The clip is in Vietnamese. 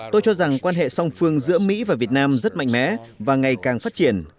tôi cho rằng quan hệ song phương giữa mỹ và việt nam rất mạnh mẽ và ngày càng phát triển